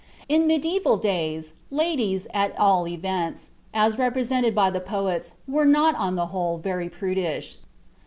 In mediæval days, "ladies, at all events, as represented by the poets, were not, on the whole, very prudish.